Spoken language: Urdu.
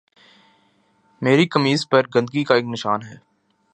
میری قمیض پر گندگی کا ایک نشان ہے